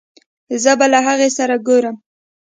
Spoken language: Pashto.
زه به له هغې سره ګورم